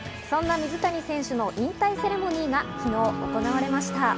そんな水谷選手の引退セレモニーが昨日、行われました。